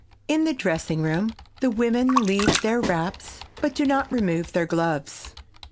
In the dressing room the women leave their wraps, but do not remove their gloves.